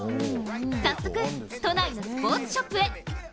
早速、都内のスポーツショップへ。